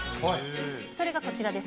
それがこちらです。